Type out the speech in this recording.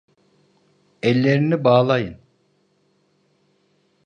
Ellerini bağlayın.